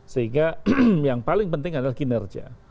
sehingga yang paling penting adalah kinerja